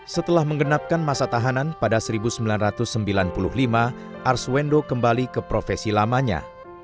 setelah menggenapkan masa tahanan pada seribu sembilan ratus sembilan puluh lima arswendo kembali ke profesi lamanya